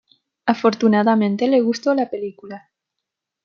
Afortunadamente le gustó la película.